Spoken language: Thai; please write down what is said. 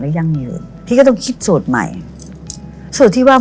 ยังอยู่พี่ก็ต้องคิดสูตรใหม่สูตรที่ว่า